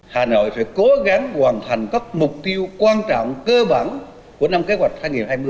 hà nội phải cố gắng hoàn thành các mục tiêu quan trọng cơ bản của năm kế hoạch hai nghìn hai mươi